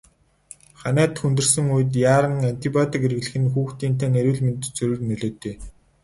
Ханиад хүндэрсэн үед яаран антибиотик хэрэглэх нь хүүхдийн тань эрүүл мэндэд сөрөг нөлөөтэй.